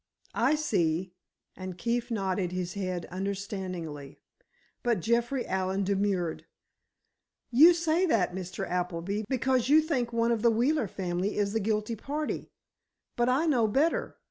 "I see," and Keefe nodded his head understandingly. But Jeffrey Allen demurred. "You say that, Mr. Appleby, because you think one of the Wheeler family is the guilty party. But I know better.